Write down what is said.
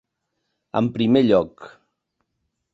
En primer lloc.